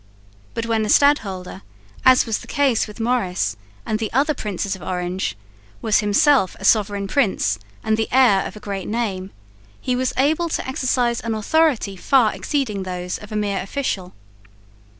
But when the stadholder, as was the case with Maurice and the other Princes of Orange, was himself a sovereign prince and the heir of a great name, he was able to exercise an authority far exceeding those of a mere official.